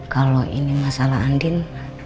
kalau ini masalah andin